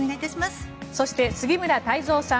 そして、杉村太蔵さん